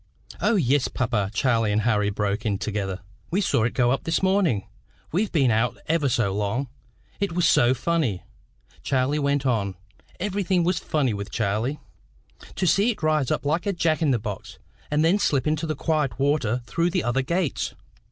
"O, yes, papa," Charlie and Harry broke in together. "We saw it go up this morning. We've been out ever so long. It was so funny," Charlie went on everything was funny with Charlie "to see it rise up like a Jack in the box, and then slip into the quiet water through the other gates!"